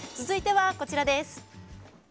続いては、こちらです。